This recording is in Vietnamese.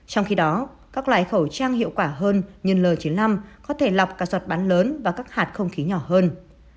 trong khi đó các loài khẩu trang hiệu quả hơn như n chín mươi năm có thể lọc các giọt bắn lớn và các hạt không khí nhỏ hơn